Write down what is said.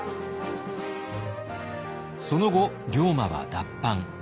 その後龍馬は脱藩。